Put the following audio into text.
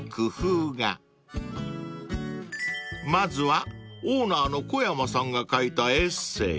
［まずはオーナーの小山さんが書いたエッセー］